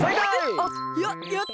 あっややった！